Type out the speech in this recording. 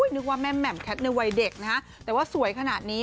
นึกว่าแม่แหม่มแคทในวัยเด็กนะฮะแต่ว่าสวยขนาดนี้